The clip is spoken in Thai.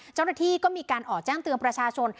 เจ้าหน้าที่ก็มีการออกแจ้งเตือนประชาชน